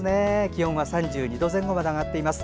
気温は３２度前後まで上がっています。